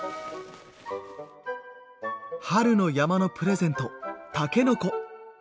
春の山のプレゼントたけのこ。